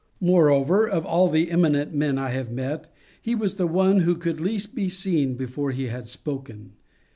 Moreover, of all the eminent men I have met, he was the one who could least be seen before he had spoken.